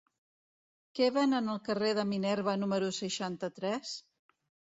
Què venen al carrer de Minerva número seixanta-tres?